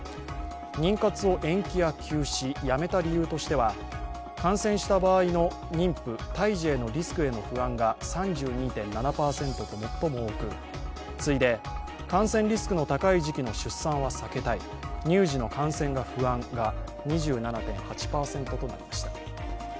妊活を延期や休止、やめた理由としては、感染した場合の妊婦、胎児へのリスクへの不安が３２．７％と最も多く次いで感染リスクの高い時期の出産は避けたい乳児の感染が不安が２７．８％となりました。